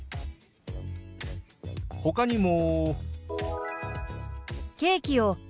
ほかにも。